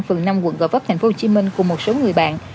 phường năm quận gò vấp tp hcm cùng một số người bạn